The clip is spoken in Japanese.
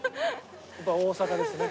やっぱ大阪ですね。